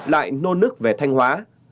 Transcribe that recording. lại nôn nức về thanh hóa